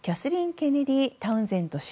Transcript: ・ケネディ・タウンゼンド氏。